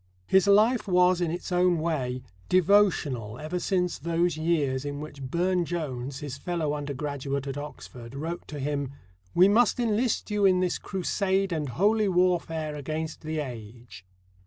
His life was, in its own way, devotional ever since those years in which Burne Jones, his fellow undergraduate at Oxford, wrote to him: "We must enlist you in this Crusade and Holy Warfare against the age."